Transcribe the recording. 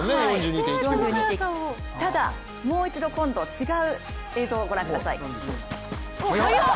ただ、もう一度、今度違う映像をご覧ください。